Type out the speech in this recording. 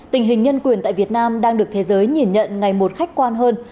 tình hình nhân quyền tại việt nam đang được thế giới nhìn nhận ngày một khách quan hơn